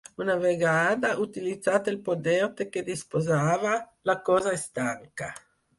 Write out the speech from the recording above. Una vegada utilitzat el poder de què disposava, la Cosa es tanca.